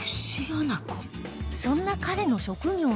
そんな彼の職業とは